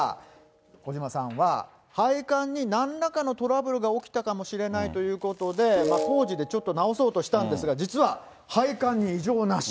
小嶋さんは、配管になんらかのトラブルが起きたかもしれないということで、工事でちょっと直そうとしたんですが、実は配管に異常なし。